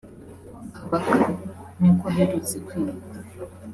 Kabaka (nk’uko aherutse kwiyita)